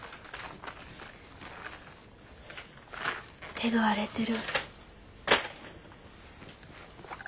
手が荒れてる。